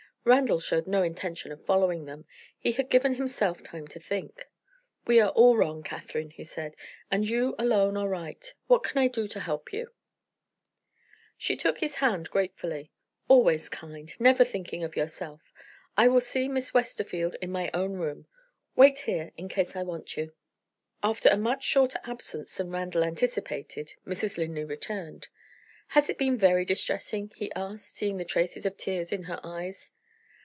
Randal showed no intention of following them; he had given himself time to think. "We are all wrong, Catherine," he said; "and you alone are right. What can I do to help you?" She took his hand gratefully. "Always kind! Never thinking of yourself! I will see Miss Westerfield in my own room. Wait here, in case I want you." After a much shorter absence than Randal anticipated, Mrs. Linley returned. "Has it been very distressing?" he asked, seeing the traces of tears in her eyes.